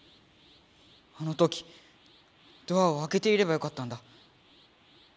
あの時ドアをあけていればよかったんだ。